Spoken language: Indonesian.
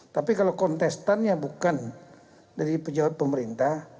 tapi kalau kontestannya bukan dari pejabat pemerintah